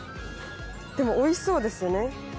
でもおいしそうですよね。